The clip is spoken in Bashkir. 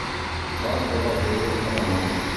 Ҡарт уға боролоп ҡарамай.